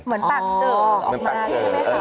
เหมือนปากเจ๋อออกมา